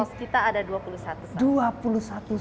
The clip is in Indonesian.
saus kita ada dua puluh satu saus